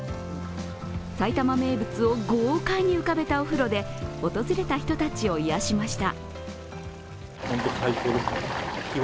埼玉名物を豪快に浮かべたお風呂で訪れた人たちを癒やしました。